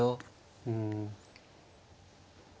うん。